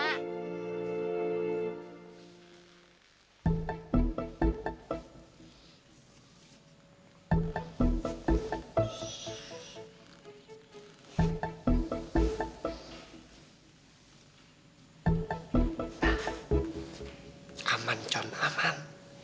nah aman con aman